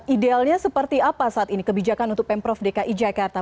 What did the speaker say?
idealnya seperti apa saat ini kebijakan untuk pemprov dki jakarta